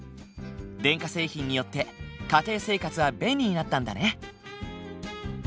電化製品によって家庭生活は便利になったんだね。